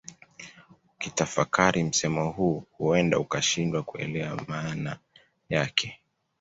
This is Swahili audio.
Ukitafakari msemo huu huenda ukashindwa kuelewa maana yake